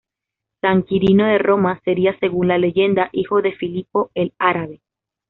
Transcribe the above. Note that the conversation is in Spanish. San Quirino de Roma sería, según la leyenda, hijo de Filipo el Árabe.